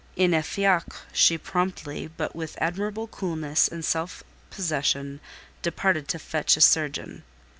In a fiacre she promptly, but with admirable coolness and self possession, departed to fetch a surgeon.